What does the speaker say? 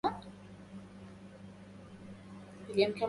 لو لم تساعدني، لما كنت سأنجح.